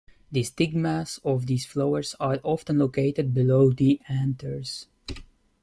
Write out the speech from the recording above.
The stigmas of these flowers are often located below the anthers.